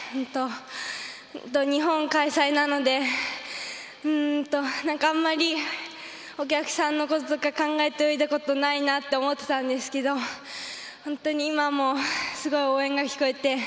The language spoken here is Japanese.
日本開催なのであまりお客さんのこととかを考えて泳いだことがないなと思っていたんですけど本当に今もすごい応援が聞こえて。